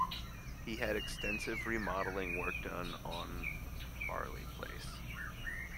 He had extensive remodelling work done on Firle Place.